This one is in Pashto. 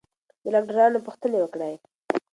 له ډاکټرانو پوښتنې وکړئ.